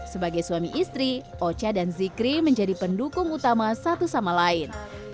sebagai suami istri ocha dan zikri menjadi pendukung utama satu sama lain